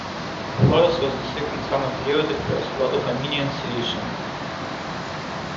Thoros was the second son of Leo the First, lord of Armenian Cilicia.